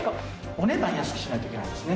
お値段安くしないといけないんですね。